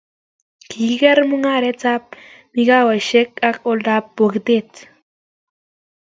kikiker mung'arenikab mikawasiek ak oldab bokitet